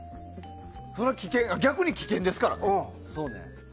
逆に危険ですから。